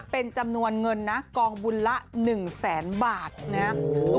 เป็นจำนวนเงินนะกองบุญละ๑แสนบาทนะครับ